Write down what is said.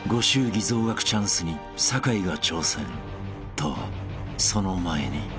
［とその前に］